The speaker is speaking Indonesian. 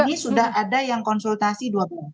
ini sudah ada yang konsultasi dua belas